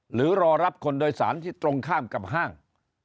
หรือรอรับคนโดยสารที่ตรงข้ามกับห้าง